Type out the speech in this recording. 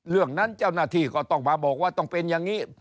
เรื่องนั้นเจ้าหน้าที่ก็ต้องมาบอกว่าต้องเป็นอย่างนี้